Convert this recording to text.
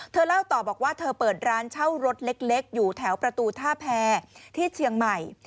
เล่าต่อบอกว่าเธอเปิดร้านเช่ารถเล็กอยู่แถวประตูท่าแพรที่เชียงใหม่